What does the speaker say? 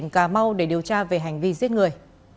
cà mau để điều tra về hành vi giết người